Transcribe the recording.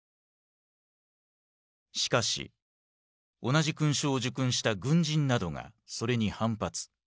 しかし同じ勲章を受勲した軍人などがそれに反発。